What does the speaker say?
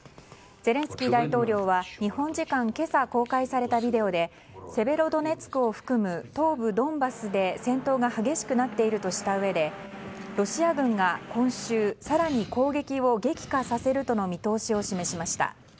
ゼレンスキー大統領は日本時間今朝公開されたビデオでセベロドネツクを含む東部ドンバスで戦闘が激しくなっているとしたうえでロシア軍が今週更に攻撃を激化させるとの見通しを示しました。